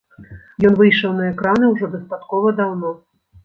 Ён выйшаў на экраны ўжо дастаткова даўно.